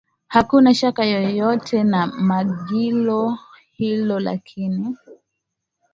Hakuna shaka yoyote na goli hilo lakini